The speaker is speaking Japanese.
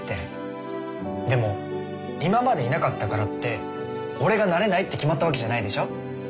でも今までいなかったからって俺がなれないって決まったわけじゃないでしょ？